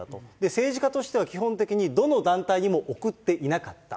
政治家としては基本的にどの団体にも送っていなかった。